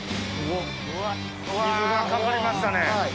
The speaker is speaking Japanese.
水がかかりましたね。